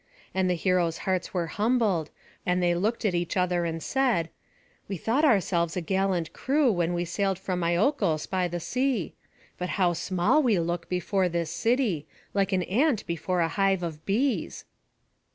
And the heroes' hearts were humbled, and they looked at each other and said: "We thought ourselves a gallant crew when we sailed from Iolcos by the sea; but how small we look before this city, like an ant before a hive of bees."